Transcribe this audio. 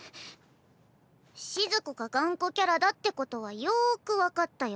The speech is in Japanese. しず子が頑固キャラだってことはよく分かったよ。